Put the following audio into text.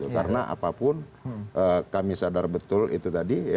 karena apapun kami sadar betul itu tadi